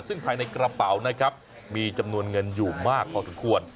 ซึ่งภายในกระเป๋านะครับมีจำนวนเงินอยู่มากพอสมควร